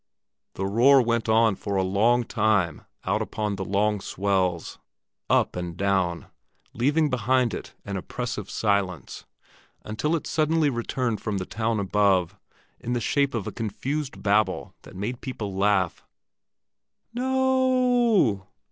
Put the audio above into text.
The roar went on for a long time out upon the long swells, up and down, leaving behind it an oppressive silence, until it suddenly returned from the town above, in the shape of a confused babble that made people laugh. "N o o!"